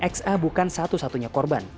xa bukan satu satunya korban